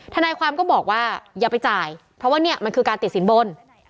ทนายความก็บอกว่าอย่าไปจ่ายเพราะว่าเนี่ยมันคือการติดสินบน